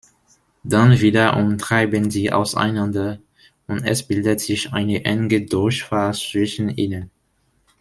Dann wiederum treiben sie auseinander und es bildet sich eine enge Durchfahrt zwischen ihnen.